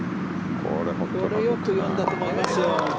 これよく読んだと思いますよ。